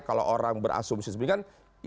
kalau orang berasumsi seperti itu